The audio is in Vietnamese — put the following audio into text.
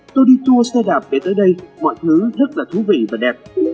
tôi đi tour xe đạp để tới đây mọi thứ rất là thú vị và đẹp